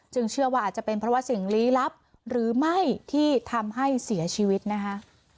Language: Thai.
เชื่อว่าอาจจะเป็นเพราะว่าสิ่งลี้ลับหรือไม่ที่ทำให้เสียชีวิตนะคะ